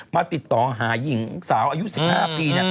มาติดต่อหาหญิงสาวอายุ๑๕ปี